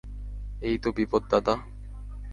এই তো বিপদ দাদা।